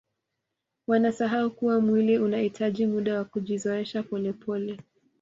wanasahau kuwa mwili unahitaji muda wa kujizoesha polepole